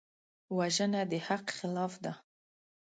وژنه د حق خلاف ده